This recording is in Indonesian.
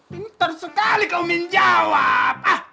pintar sekali kau menjawab